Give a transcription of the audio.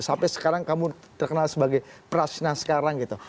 sampai sekarang kamu terkenal sebagai prashna sekarang gitu